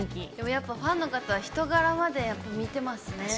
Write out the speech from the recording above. やっぱファンの方は人柄まで見てますね。